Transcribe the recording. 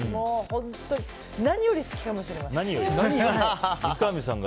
本当に何より好きかもしれません。